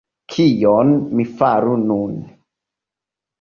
Kion mi faru nun?